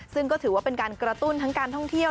ซึ่งก็ถือว่าเป็นการกระตุ้นทั้งการท่องเที่ยว